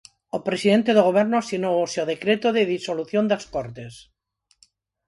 O presidente do Goberno asinou hoxe o decreto de disolución das Cortes.